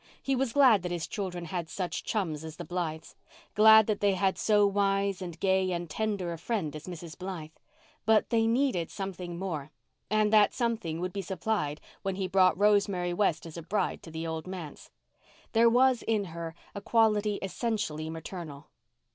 He was glad that his children had such chums as the Blythes—glad that they had so wise and gay and tender a friend as Mrs. Blythe. But they needed something more, and that something would be supplied when he brought Rosemary West as a bride to the old manse. There was in her a quality essentially maternal.